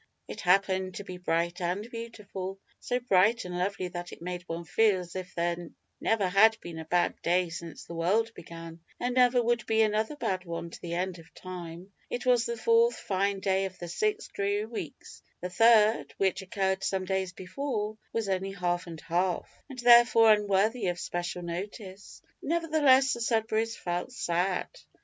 It happened to be bright and beautiful so bright and lovely that it made one feel as if there never had been a bad day since the world began, and never would be another bad one to the end of time. It was the fourth fine day of the six dreary weeks the third, which occurred some days before, was only half and half; and therefore unworthy of special notice. Nevertheless, the Sudberrys felt sad.